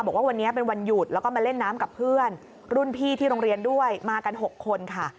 บอกว่าวันนี้เป็นวันหยุดแล้วก็มาเล่นน้ำกับเพื่อนรุ่นพี่ที่โรงเรียนด้วยมากัน๖คนค่ะ